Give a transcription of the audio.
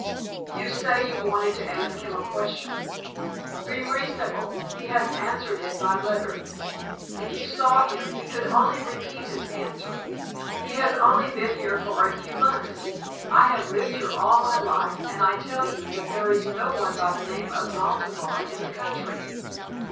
You say you wanted to ask him a question. Be reasonable; he has answered it by letter. If you saw him, he could only repeat his answer. He has only been here for a few months. I have lived here all my life, and I tell you that there is no one by the name of Maltabar in the county."